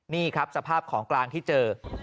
นี่ครับสภาพของกลางที่เจอ